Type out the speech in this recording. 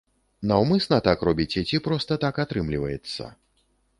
Наўмысна так робіце, ці проста так атрымліваецца?